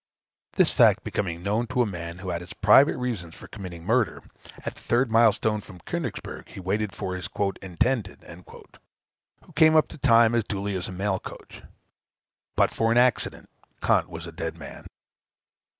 This fact becoming known to a man who had his private reasons for committing murder, at the third milestone from Königsberg, he waited for his "intended," who came up to time as duly as a mail coach. But for an accident, Kant was a dead man.